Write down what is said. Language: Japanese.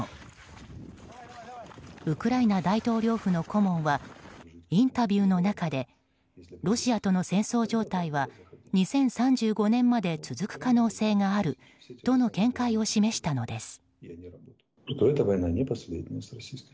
大統領府の顧問はインタビューの中でロシアとの戦争状態は２０３５年まで続く可能性があるとの見解を示したのです。